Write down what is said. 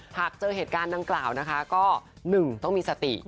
หากเจอเหตุการณ์ดังกล่าวนะคะก็๑ต้องมีสติ